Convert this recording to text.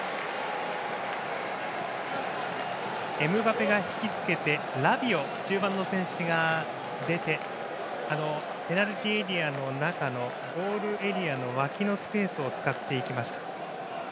エムバペが引きつけて、ラビオ中盤の選手が出てペナルティーエリアの中のゴールエリアの脇のスペースを使っていきました。